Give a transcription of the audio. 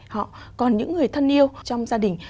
họ còn những người thân yêu trong gia đình